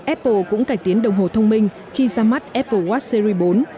apple cũng cải tiến đồng hồ thông minh khi ra mắt apple watch series bốn